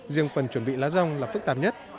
riêng phần chuẩn bị lá rong là phức tạp nhất